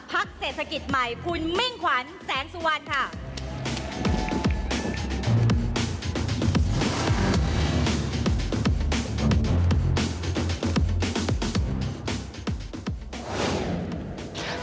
เศรษฐกิจใหม่คุณมิ่งขวัญแสงสุวรรณค่ะ